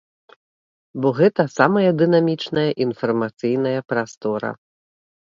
Бо гэта самая дынамічная інфармацыйная прастора.